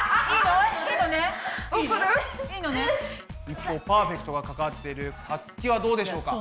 一方パーフェクトがかかってるさつきはどうでしょうか？